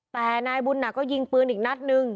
แต่นายบุญหนักก็ยิงปืนอีกนัดนึง